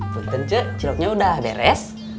benteng ce ciloknya udah beres